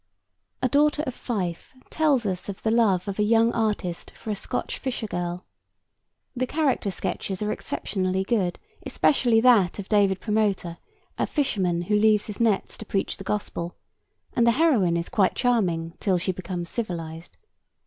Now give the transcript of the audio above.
A Daughter of Fife tells us of the love of a young artist for a Scotch fisher girl. The character sketches are exceptionally good, especially that of David Promoter, a fisherman who leaves his nets to preach the gospel, and the heroine is quite charming till she becomes civilised.